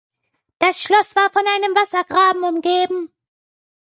Das Schloss war von einem Wassergraben umgeben.